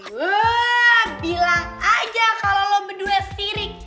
wuuu bilang aja kalo lo berdua sirik